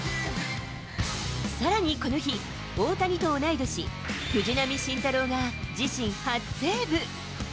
さらにこの日、大谷と同い年、藤浪晋太郎が自身初セーブ。